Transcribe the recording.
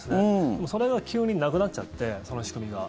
でもそれが急になくなっちゃってその仕組みが。